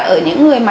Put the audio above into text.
ở những người mà